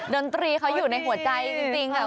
น้องตีนเขาอยู่ในหัวใจจริงค่ะ